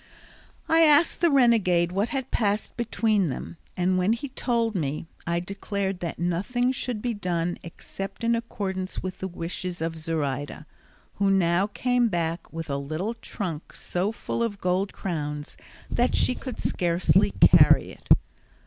I asked the renegade what had passed between them, and when he told me, I declared that nothing should be done except in accordance with the wishes of Zoraida, who now came back with a little trunk so full of gold crowns that she could scarcely carry it.